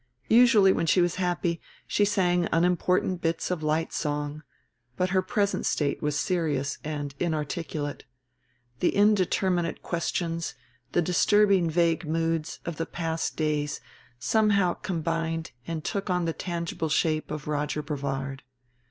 Usually when she was happy she sang unimportant bits of light song, but her present state was serious and inarticulate. The indeterminate questions, the disturbing vague moods, of the past days somehow combined and took on the tangible shape of Roger Brevard.